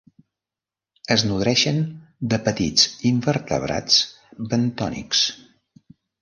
Es nodreixen de petits invertebrats bentònics.